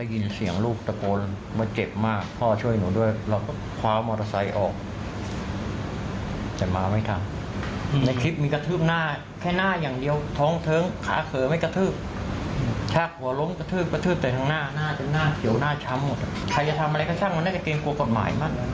ใครจะทำอะไรก็ช่างมันน่าจะเกมกัวกฎหมายมาก